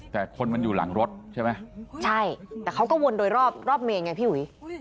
แต่คนมันอยู่หลังรถใช่ไหมใช่แต่เขาก็วนโดยรอบรอบเมนไงพี่หุย